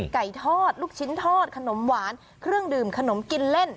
ไก่ทอดลูกชิ้นทอดขนมหวานเครื่องดื่มขนมกินเล่น